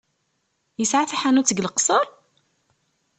Yesɛa taḥanut deg Leqṣeṛ?